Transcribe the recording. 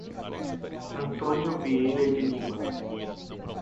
Antônio Vieira de Lima